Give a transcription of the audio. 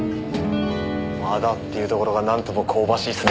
まだっていうところがなんとも香ばしいっすね。